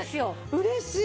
うれしい！